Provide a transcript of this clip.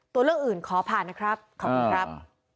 ตัวเลือกอื่นขอผ่านนะครับขอบคุณครับ